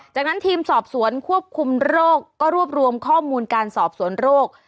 จากนั้นทีมสอบสวนควบคุมโรคก็รวบรวมข้อมูลการสอบสวนโรค